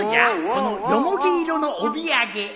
このヨモギ色の帯揚げ